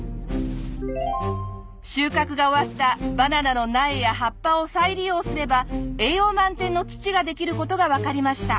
収穫が終わったバナナの苗や葉っぱを再利用すれば栄養満点の土ができる事がわかりました。